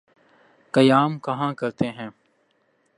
قیام کہاں کرتے ہیں؟